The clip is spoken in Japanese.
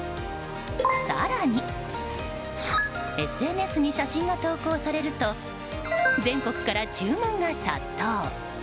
更に、ＳＮＳに写真が投稿されると全国から注文が殺到。